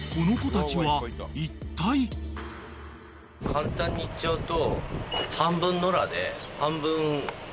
簡単に言っちゃうと。